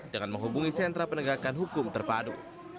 dengan menghubungi sentra penegakan hukum terpadu